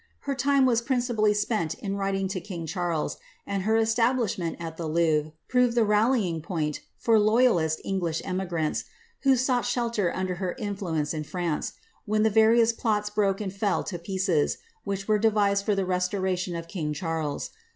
Her time was principally a in writing to king Charles, and her establishment at the Louvre pr< the rallying point for loyalist English emigrants, who sought shi under her influence in France, when the various plots broke and fe pieces, which were devised for the restoration of king Charles.